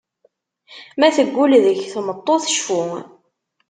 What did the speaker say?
Ma teggul deg-k tmeṭṭut, cfu.